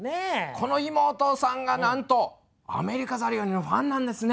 この妹さんがなんとアメリカザリガニのファンなんですね。